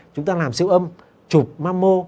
chúng ta làm siêu âm chụp mammo